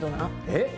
えっ。